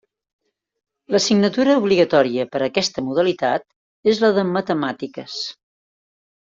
L'assignatura obligatòria per aquesta modalitat és la de matemàtiques.